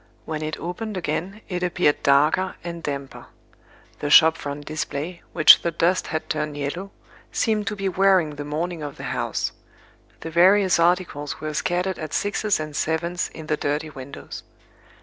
When it opened again, it appeared darker and damper. The shop front display, which the dust had turned yellow, seemed to be wearing the mourning of the house; the various articles were scattered at sixes and sevens in the dirty windows.